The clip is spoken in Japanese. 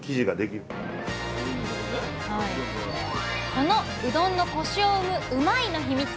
このうどんのコシを生むうまいッ！のヒミツ。